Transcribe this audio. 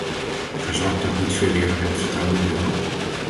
Verzwakt dat niet veeleer het vertrouwen in de euro?